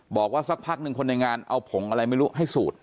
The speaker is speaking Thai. บอกว่าสักพักหนึ่งคนในงานเอาผงอะไรไม่รู้ให้สูด